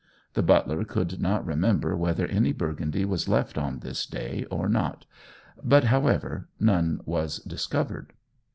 The butler could not remember whether any Burgundy was left on this day or not; but, however, none was discovered.